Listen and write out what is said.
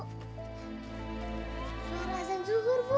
farah dan zuhur bu